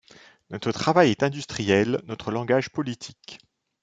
Notre travail est industriel, notre langage politique.